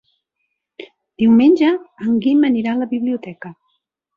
Diumenge en Guim anirà a la biblioteca.